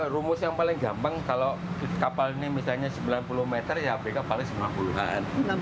rumus yang paling gampang kalau kapal ini misalnya sembilan puluh meter ya apk paling sembilan puluh an